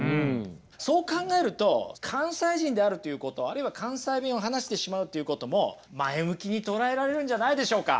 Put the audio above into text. そう考えると関西人であるということあるいは関西弁を話してしまうっていうことも前向きに捉えられるんじゃないでしょうか。